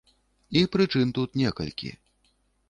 І прычын тут некалькі.